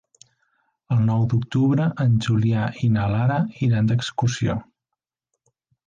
El nou d'octubre en Julià i na Lara iran d'excursió.